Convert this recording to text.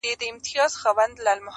ځان یې رامعرفي کړ